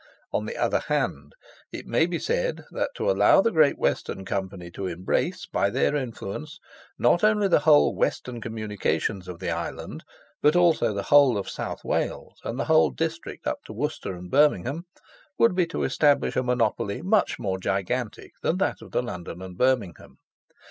On the other hand, it may be said that, to allow the Great Western Company to embrace, by their influence, not only the whole western communications of the island, but also the whole of South Wales, and the whole district up to Worcester and Birmingham, would be to establish a monopoly much more gigantic than that of the London and Birmingham.